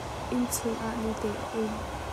Inn chungah nute a um.